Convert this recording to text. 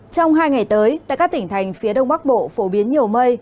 trong hai ngày tới tại các tỉnh thành phía đông bắc bộ phổ biến nhiều mây